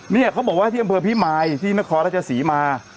เนี่ยเขาบอกว่าที่อำเภอพิมายที่นครราชศรีมา